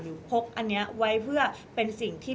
พกอันนี้ไว้เพื่อเป็นสิ่งที่